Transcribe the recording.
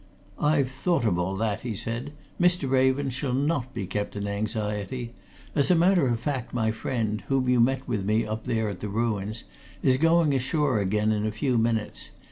"I've thought of all that," he said. "Mr. Raven shall not be kept in anxiety. As a matter of fact, my friend, whom you met with me up there at the ruins, is going ashore again in a few minutes.